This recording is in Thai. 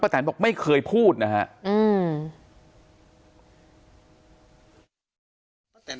ป้าแตนบอกไม่เคยพูดนะฮะอืม